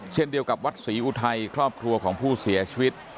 เช่นเดียวกับวัดศรีอุทัยครอบครัวของผู้เสียชีวิต